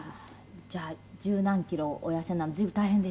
じゃあ十何キロお痩せになるの随分大変でしたか？